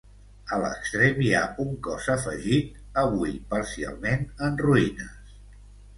A l'extrem hi ha un cos afegit avui parcialment en ruïnes.